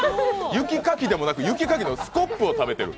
雪かきでもなく、雪かきのスコップを食べてる？